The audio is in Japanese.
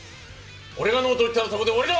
俺がノーと言ったらそこで終わりだ！